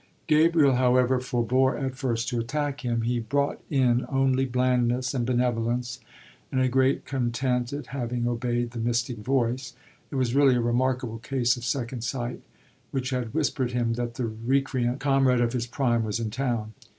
Gabriel, however, forbore at first to attack him. He brought in only blandness and benevolence and a great content at having obeyed the mystic voice it was really a remarkable case of second sight which had whispered him that the recreant comrade of his prime was in town.